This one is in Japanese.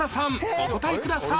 お答えください